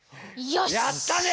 やったね！